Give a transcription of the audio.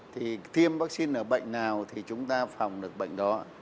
thì tiêm vaccine ở bệnh nào thì chúng ta phòng được bệnh đó